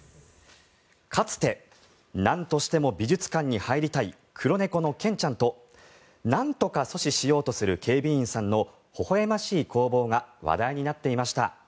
かつて、なんとしても美術館に入りたい黒猫のケンちゃんとなんとか阻止しようとする警備員さんのほほ笑ましい攻防が話題になっていました。